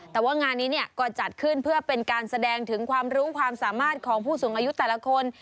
แต่ว่างานนี้เนี่ยก็จัดขึ้นเพื่อเป็นการแสดงถึงความรู้ความสามารถของผู้สูงอายุแต่ละคน